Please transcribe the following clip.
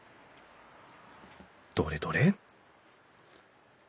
どれどれ？